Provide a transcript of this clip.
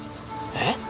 えっ？